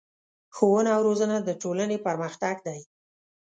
ښوونه او روزنه د ټولنې پرمختګ دی.